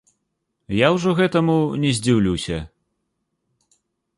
Я ўжо гэтаму не здзіўлюся.